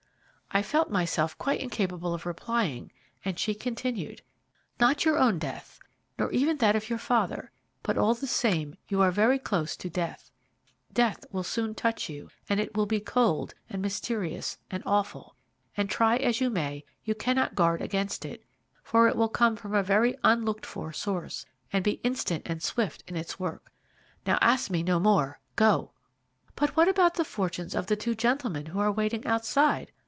"I felt myself quite incapable of replying, and she continued: "'Not your own death, nor even that of your father, but all the same you are very close to death. Death will soon touch you, and it will be cold, and mysterious, and awful, and try as you may, you cannot guard against it, for it will come from a very unlooked for source, and be instant and swift in its work. Now ask me no more go!' "'But what about the fortunes of the two gentlemen who are waiting outside?'